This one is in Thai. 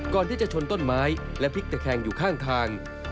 ก่อนที่จะชนต้นไม้และพลิกตะแคงอยู่ข้างทาง